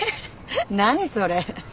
何それ。